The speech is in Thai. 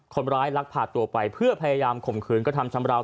๓คนร้ายรักผาตัวไปเพื่อพยายามข่มคืนกระทำช้ำราว